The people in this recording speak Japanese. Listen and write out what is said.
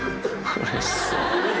うれしそう。